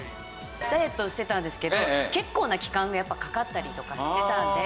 ダイエットしてたんですけど結構な期間やっぱかかったりとかしてたんで。